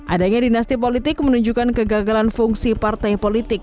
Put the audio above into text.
adanya dinasti politik menunjukkan kegagalan fungsi partai politik